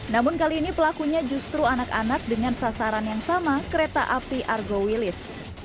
namun kali ini pelakunya justru anak anak dengan sasaran yang sama kereta api argo wilis